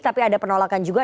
tapi ada penolakan juga